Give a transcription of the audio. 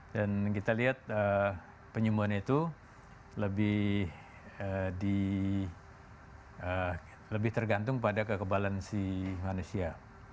dan kita lihat penyembuhan itu lebih tergantung pada kekebalan si manusia